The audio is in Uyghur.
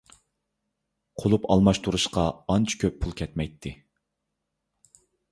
قۇلۇپ ئالماشتۇرۇشقا ئانچە كۆپ پۇل كەتمەيتتى.